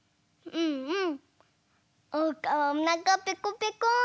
うんうん！